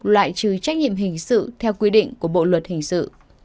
loại trừ trách nhiệm hình sự theo quy định của bộ luật hình sự